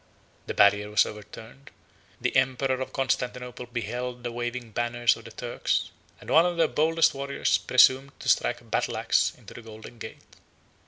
The barrier was overturned; the emperor of Constantinople beheld the waving banners of the Turks; and one of their boldest warriors presumed to strike a battle axe into the golden gate.